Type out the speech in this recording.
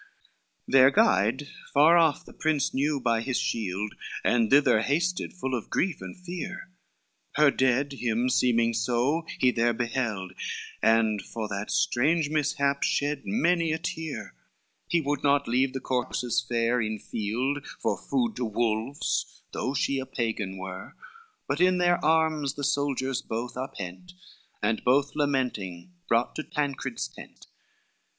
LXXII Their guide far off the prince knew by his shield, And thither hasted full of grief and fear, Her dead, him seeming so, he there beheld, And for that strange mishap shed many a tear; He would not leave the corpses fair in field For food to wolves, though she a Pagan were, But in their arms the soldiers both uphent, And both lamenting brought to Tancred's tent.